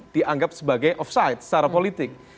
dianggap sebagai offside secara politik